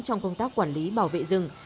trong công tác quản lý bảo vệ rừng